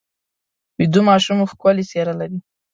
ویده ماشوم ښکلې څېره لري